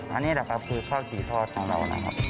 อันนี้แหละครับคือข้าวจี่ทอดของเรานะครับ